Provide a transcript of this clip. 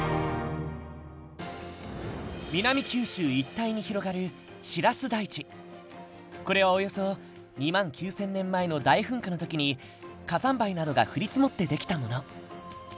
南九州一帯に広がるこれはおよそ２万９，０００年前の大噴火の時に火山灰などが降り積もって出来たもの。